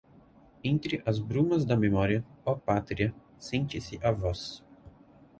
Entre as brumas da memória, oh, pátria, sente-se a voz